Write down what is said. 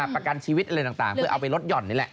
ประกันชีวิตอะไรต่างเพื่อเอาไปลดห่อนนี่แหละ